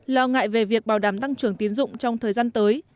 lo ngại về việc bảo đảm tăng trưởng tiến dụng trong thời gian tới